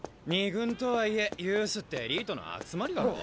２軍とはいえユースってエリートの集まりだろ？